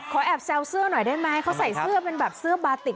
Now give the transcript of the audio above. แอบแซวเสื้อหน่อยได้ไหมเขาใส่เสื้อเป็นแบบเสื้อบาติก